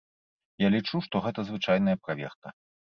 Я лічу, што гэта звычайная праверка.